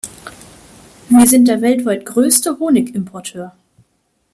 Wir sind der weltweit größte Honigimporteur.